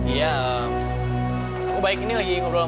ya aku baik baik ini lagi ngobrol sama